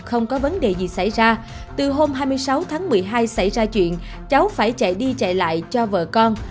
không có vấn đề gì xảy ra từ hôm hai mươi sáu tháng một mươi hai xảy ra chuyện cháu phải chạy đi chạy lại cho vợ con